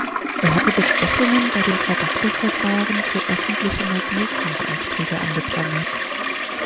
Er hatte Bestechungen bei den Vergabeverfahren für öffentliche Mobilfunk-Aufträge angeprangert.